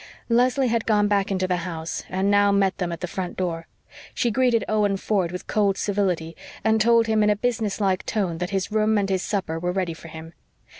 Leslie had gone back into the house and now met them at the front door. She greeted Owen Ford with cold civility, and told him in a business like tone that his room and his supper were ready for him.